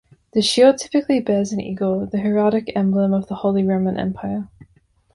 The shield typically bears an eagle, the heraldic emblem of the Holy Roman Empire.